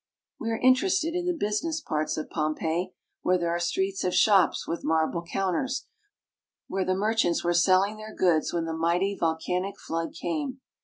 We are interested in the business parts of Pompeii, where there are streets of shops with marble counters, where the merchants were selling their goods when the mighty volcanic flood came.